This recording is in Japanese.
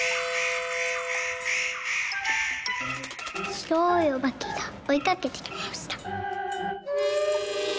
「しろいおばけがおいかけてきました」。